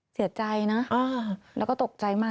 เสียใจนะแล้วก็ตกใจมาก